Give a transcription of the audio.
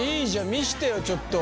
見してよちょっと。